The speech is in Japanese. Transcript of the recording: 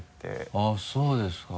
あぁそうですか。